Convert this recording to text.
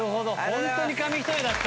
ホントに紙一重だった。